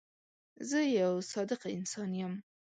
زه یو صادقه انسان یم.